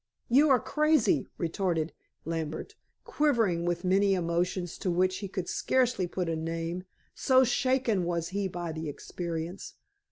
"You are crazy," retorted Lambert, quivering with many emotions to which he could scarcely put a name, so shaken was he by the experience.